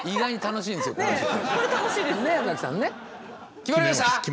決まりました。